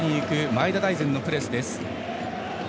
前田大然のプレスです。